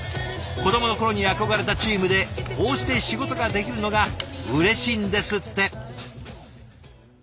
子どもの頃に憧れたチームでこうして仕事ができるのがうれしいんですって。